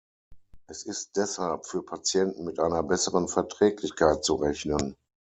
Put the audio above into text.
Es ist deshalb für Patienten mit einer besseren Verträglichkeit zu rechnen.